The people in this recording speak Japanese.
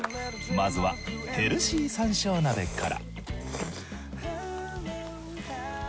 まずはヘルシー山椒鍋から。